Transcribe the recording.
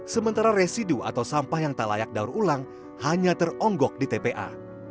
sementara residu atau sampah yang tak layak daur ulang hanya teronggok di tpa